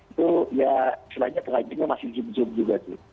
itu ya selainnya pelajarnya masih jum jum juga